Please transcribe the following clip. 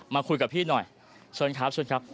มาคุยกับพี่หน่อยช่วนครับ